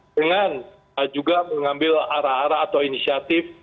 dengan juga mengambil arah arah atau inisiatif